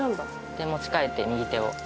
で持ち替えて右手を。